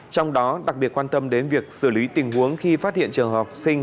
trong đó đặc biệt quan tâm đến việc xử lý tình huống khi phát hiện trường hợp học sinh